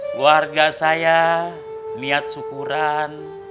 keluarga saya niat syukuran